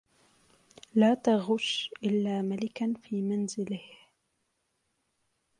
لا تغش إلا ملكا في منزلِه